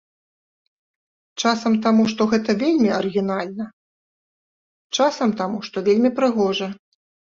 Часам таму, што гэта вельмі арыгінальна, часам таму, што вельмі прыгожа.